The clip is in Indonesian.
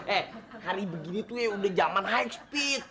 eh hari begini tuh ya udah zaman high speed